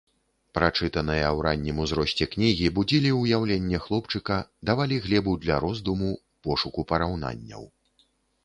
Прачытаныя ў раннім узросце кнігі будзілі ўяўленне хлопчыка, давалі глебу для роздуму, пошуку параўнанняў.